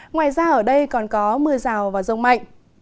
ngoài ra ở đây còn có mưa rào và rông mạnh